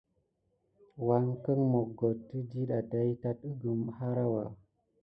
Wangeken moggoktə diɗa day tat əgəm harawa.